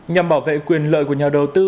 nhằm bảo vệ quyền lợi của nhà đầu tư